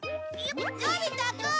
のび太くん！